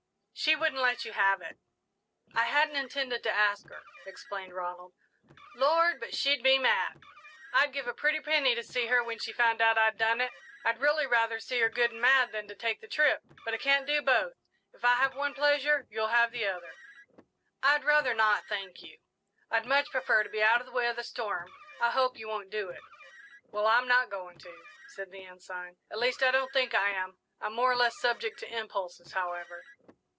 "She wouldn't let you have it." "I hadn't intended to ask her," explained Ronald. "Lord, but she'd be mad! I'd give a pretty penny to see her when she found out I'd done it! I'd really rather see her good and mad than to take the trip, but I can't do both. If I have one pleasure, you'll have the other." "I'd rather not, thank you I'd much prefer to be out of the way of the storm. I hope you won't do it." "Well, I'm not going to," said the Ensign; "at least, I don't think I am. I'm more or less subject to impulses, however."